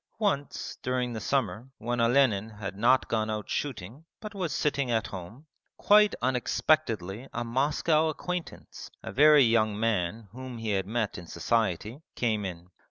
Once during the summer, when Olenin had not gone out shooting but was sitting at home, quite unexpectedly a Moscow acquaintance, a very young man whom he had met in society, came in.